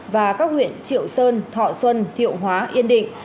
và các huyện triệu sơn thọ xuân thiệu hóa yên định